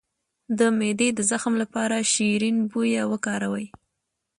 د معدې د زخم لپاره شیرین بویه وکاروئ